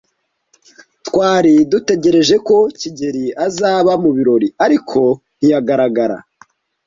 Twari dutegereje ko kigeli azaba mu birori, ariko ntiyagaragara.